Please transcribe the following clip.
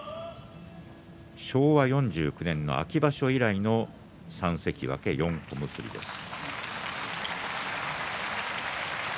昭和４９年の秋場所以来の３関脇、４小結です。